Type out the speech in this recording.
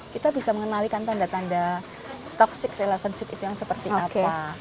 kita bisa mengenalikan tanda tanda toxic relationship itu yang seperti apa